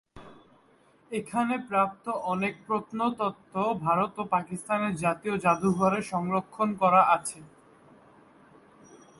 এখানে প্রাপ্ত অনেক প্রত্নতত্ত্ব ভারত ও পাকিস্তানের জাতীয় জাদুঘরে সংরক্ষন করা আছে।